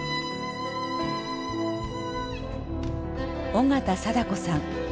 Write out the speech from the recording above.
緒方貞子さん。